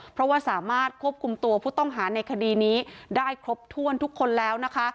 เพราะว่าสามารถควบคุมตัวผู้ต้องหาในคดีนี้ได้ครบถ้วนทุกคนแล้วนะคะ